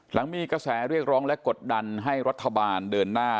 หลังมีกระแสเรียกร้องและกดดันให้รัฐบาลเดินหน้า